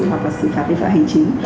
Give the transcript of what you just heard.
hoặc là xử phạt vi phạm hành chính